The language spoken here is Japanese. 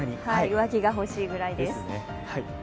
上着が欲しいくらいです。